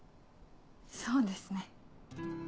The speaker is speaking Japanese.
そうですね。